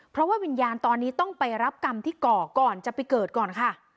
เพราะว่าวิญญาณตอนนี้ต้องไปรับกรรมที่ก่อก่อนจะไปเกิดก่อนค่ะ